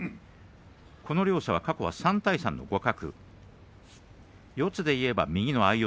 この両者は過去は３対３の互角。